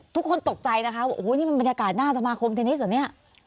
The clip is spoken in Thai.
ทุกคนตกใจนะคะว่าโอ้โหนี่มันบรรยากาศหน้าสมาคมทีนี้เหรอเนี่ย